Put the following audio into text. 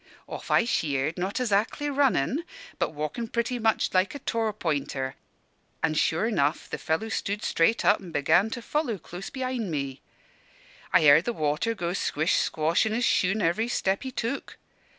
"Off I sheered, not azackly runnin', but walkin' pretty much like a Torpointer; an' sure 'nough the fellow stood up straight and began to follow close behind me. I heard the water go squish squash in his shoon, every step he took.